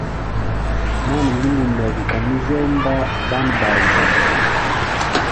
Mwana mulume guka mujyomba banabazi.